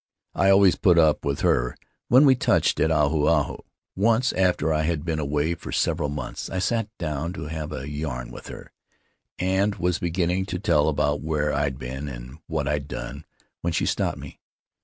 I always put up with her when we touched at Ahu Ahu. Once, after I had been away for several months, I sat down to have a yarn with her, and was beginning to tell about where I'd been and what I'd done when she stopped me.